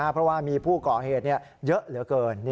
เพราะว่ามีผู้ก่อเหตุเยอะเหลือเกิน